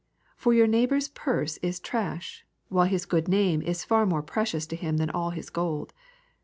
For your neighbour's purse is trash, while his good name is far more precious to him than all his gold.